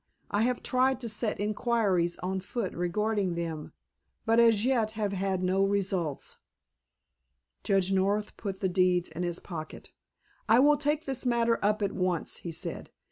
I have tried to set inquiries on foot regarding them, but as yet have had no results." Judge North put the deeds in his pocket. "I will take this matter up at once," he said.